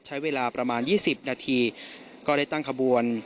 ใช้เวลาประมาณ๒๐นาทีก็ได้ตั้งขบวน